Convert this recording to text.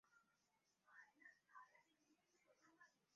তার বক্ষ সুবিশাল।